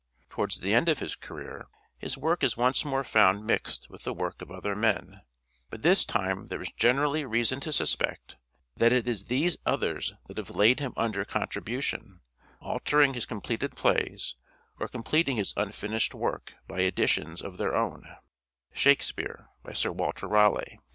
... Towards the end of his career his work is once more found mixed with the work of other men, but this time there is generally reason to suspect that it is these others that have laid him under contribution, altering his completed plays, or completing his unfinished work by additions of their own "(" Shakespeare," by Sir Walter Raleigh, p.